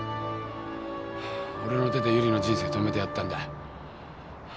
俺の手で由理の人生止めてやったんだ。